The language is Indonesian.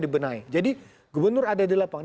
dibenahi jadi gubernur ada di lapangan